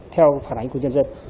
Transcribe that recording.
theo phản ánh của nhân dân